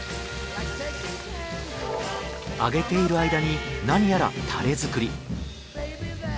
揚げている間になにやらタレ作り。